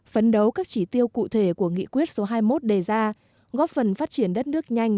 phấn đấu các chỉ tiêu cụ thể của nghị quyết số hai mươi một đề ra góp phần phát triển đất nước nhanh